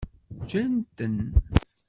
Ǧǧan-ten.